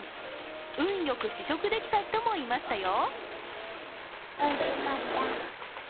運良く試食できた人もいましたよ。